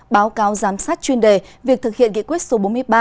báo cáo giám sát chuyên đề việc thực hiện nghị quyết số bốn mươi ba